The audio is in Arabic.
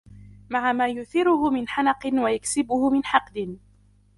مَعَ مَا يُثِيرُهُ مِنْ حَنَقٍ وَيُكْسِبُهُ مِنْ حِقْدٍ